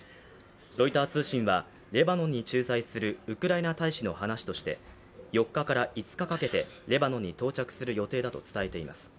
ロイター通信はレバノンに駐在するウクライナ大使の話として４日から５日かけてレバノンに到着する予定だと伝えています。